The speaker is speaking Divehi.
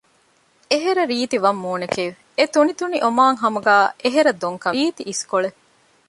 އެހެރަ ރީތި ވަށް މޫނެކެވެ! އެތުނިތުނި އޮމާން ހަމުގައި އެހެރަ ދޮން ކަމެކެވެ! ރީތި އިސްކޮޅެއް